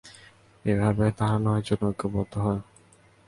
এভাবে তারা নয়জন ঐক্যবদ্ধ হয়।